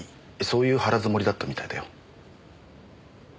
そういう腹積もりだったみたいだよ。